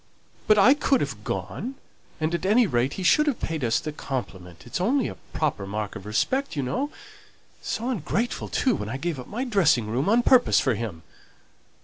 "But I could have gone; and, at any rate, he should have paid us the compliment: it's only a proper mark of respect, you know. So ungrateful, too, when I gave up my dressing room on purpose for him!"